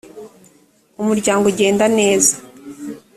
umuryango ugenda neza.